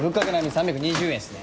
３２０円っすね。